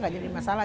gak jadi masalah